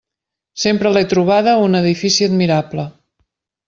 Sempre l'he trobada un edifici admirable.